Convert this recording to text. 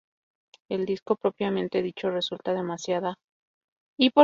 El disco propiamente dicho resulta demasiado frío como para ser detectado en la imagen.